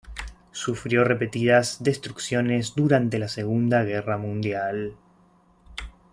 Sufrió repetidas destrucciones durante la Segunda Guerra Mundial.